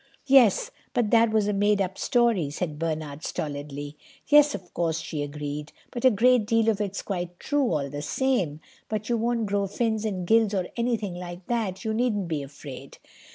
"Yes, but that was a made up story," said Bernard stolidly. "Yes, of course," she agreed, "but a great deal of it's quite true, all the same. But you won't grow fins and gills or anything like that. You needn't be afraid."